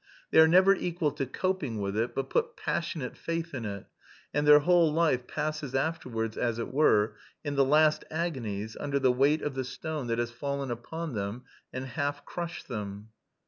They are never equal to coping with it, but put passionate faith in it, and their whole life passes afterwards, as it were, in the last agonies under the weight of the stone that has fallen upon them and half crushed them.